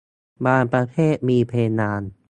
บางประเทศมีเพดาน